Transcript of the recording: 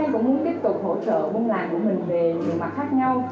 anh cũng muốn tiếp tục hỗ trợ vùng làng của mình về nhiều mặt khác nhau